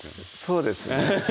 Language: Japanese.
そうですね